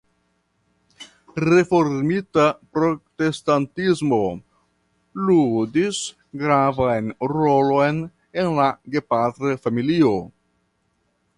Reformita Protestantismo ludis gravan rolon en la gepatra familio.